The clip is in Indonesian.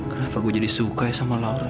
kenapa gue jadi suka sama laura